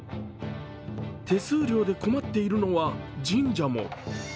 手数料で困っているのは神社も。